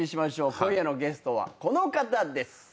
今夜のゲストはこの方です。